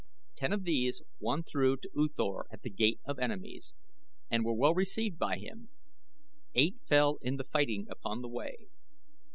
"Ten of these won through to U Thor at The Gate of Enemies and were well received by him. Eight fell in the fighting upon the way.